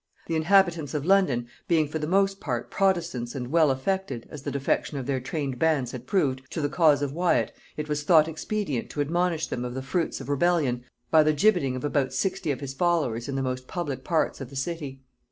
The inhabitants of London being for the most part protestants and well affected, as the defection of their trained bands had proved, to the cause of Wyat, it was thought expedient to admonish them of the fruits of rebellion by the gibbeting of about sixty of his followers in the most public parts of the city.